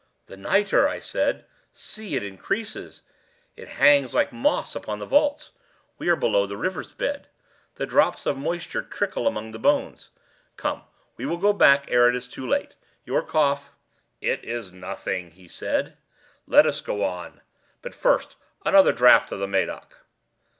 "The nitre!" I said: "see, it increases. It hangs like moss upon the vaults. We are below the river's bed. The drops of moisture trickle among the bones. Come, we will go back ere it is too late. Your cough—" "It is nothing," he said; "let us go on. But first, another draught of the Medoc."